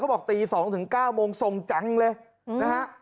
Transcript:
บอกตี๒ถึง๙โมงส่งจังเลยนะฮะ